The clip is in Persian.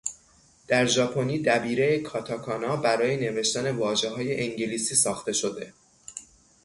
در ژاپنی دبیرهٔ کاتاکانا برای نوشتن واژههای انگلیسی ساخته شده.